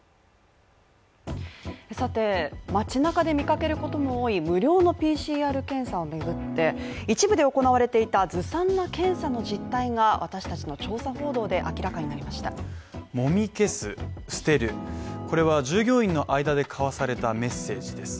さて、街中で見かけることも多い無料のＰＣＲ検査を巡って一部で行われていたずさんな検査の実態が私達の調査報道で明らかになりましたもみ消す、捨てるこれは従業員の間で交わされたメッセージです。